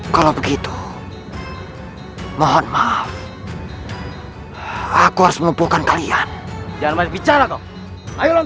kalau begitu mohon maaf aku harus melupakan kalian jangan bicara dong ayo langsung